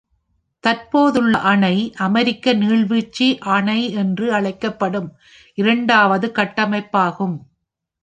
தற்போதுள்ள அணை அமெரிக்க நீர்வீழ்ச்சி அணை என்று அழைக்கப்படும் இரண்டாவது கட்டமைப்பாகும்.